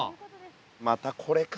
またこれか。